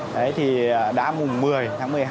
đấy thì đã mùng một mươi tháng một mươi hai